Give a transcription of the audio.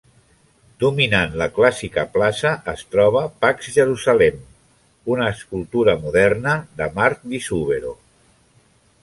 Dominant la clàssica plaça es troba "Pax Jerusalemme", una escultura moderna de Mark di Suvero.